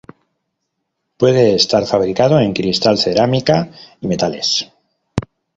Puede estar fabricado en cristal, cerámica y metales.